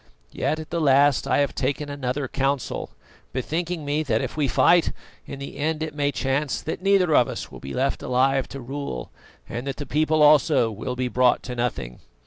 Yet, at the last, I have taken another council, bethinking me that, if we fight, in the end it may chance that neither of us will be left alive to rule, and that the people also will be brought to nothing.